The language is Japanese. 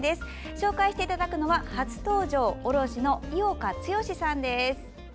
紹介していただくのは初登場、卸の井岡毅志さんです。